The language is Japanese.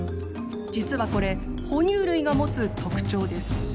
実はこれ哺乳類が持つ特徴です。